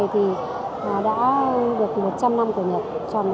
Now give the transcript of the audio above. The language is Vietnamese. thương hiệu panfix nichiban này đã được một trăm năm mươi đồng